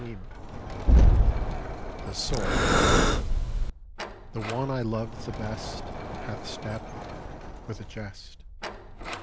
THE SWORD npHE one I love the best •*■ Hath stabbed me — with a jest.